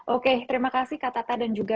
oke terima kasih kak tata dan juga